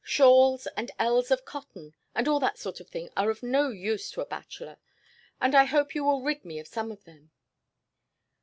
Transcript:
Shawls and ells of cotton and all that sort of thing are of no use to a bachelor, and I hope you will rid me of some of them."